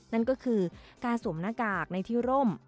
และการบริการผู้โดยสาร๑๒๗๕ราย